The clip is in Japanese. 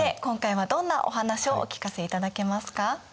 今回はどんなお話をお聞かせいただけますか？